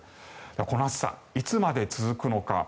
この暑さ、いつまで続くのか。